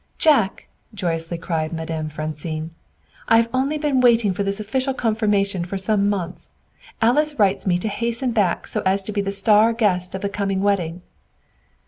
"Jack!" joyously cried Madame Francine, "I have only been waiting for this official confirmation for some months. Alice writes me to hasten back so as to be the star guest of the coming wedding."